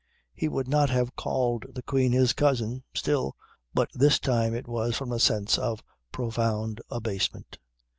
He would not have called the Queen his cousin, still, but this time it was from a sense of profound abasement.